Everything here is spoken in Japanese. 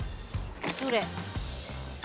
どれ？